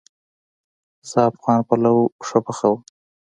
زه افغان پلو ښه پخوم